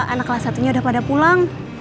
kalau salah satunya udah pada pulang